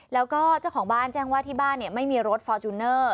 แล้วก็เจ้าของบ้านแจ้งว่าที่บ้านไม่มีรถฟอร์จูเนอร์